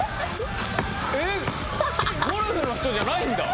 えっゴルフの人じゃないんだ。